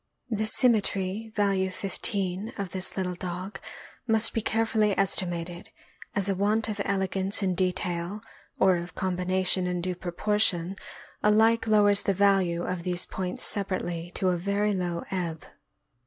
The symmetry (value 15) of this little dog must be care fully estimated, as a want of elegance in detail, or of com bination in due proportion, alike lowers the value of these points separately to a very low ebb.